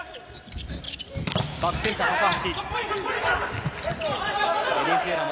バックセンター高橋。